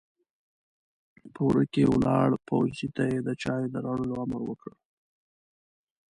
په وره کې ولاړ پوځي ته يې د چايو د راوړلو امر وکړ!